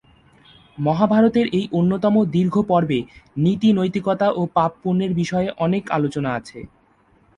মহাভারতের এই অন্যতম দীর্ঘ পর্বে নীতি-নৈতিকতা ও পাপ-পুণ্যের বিষয়ে অনেক আলোচনা আছে।